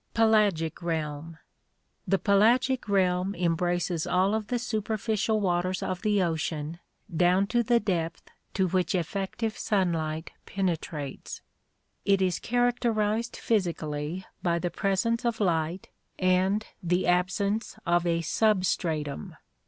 Pelagic Realm. — The pelagic realm embraces all of the super ficial waters of the ocean down to the depth to which effective sunlight penetrates. It is characterized physically by the presence of lighc and the absence of a substratum.